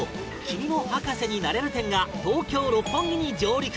「君も博士になれる展」が東京・六本木に上陸！